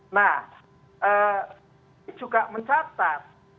nah ini juga mencatat